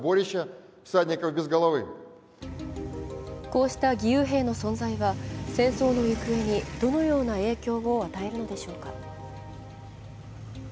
こうした義勇兵の存在は戦争の行方にどのような影響を与えるのでしょうか。